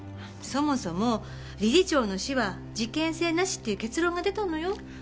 そもそも理事長の死は事件性なしっていう結論が出たのよ？